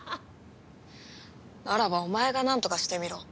ならばお前がなんとかしてみろ。